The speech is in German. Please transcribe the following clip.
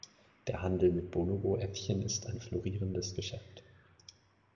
Der Handel mit Bonobo-Äffchen ist ein florierendes Geschäft.